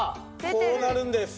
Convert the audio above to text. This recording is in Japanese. こうなるんです。